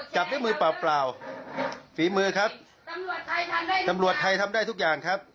จับด้วยมือเปล่าฝีมือครับตำรวจไทยทำได้ทุกอย่างครับ